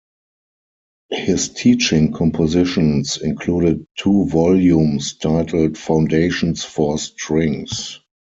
His teaching compositions included two volumes titled "Foundations for Strings".